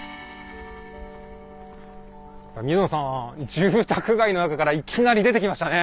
住宅街の中からいきなり出てきましたね。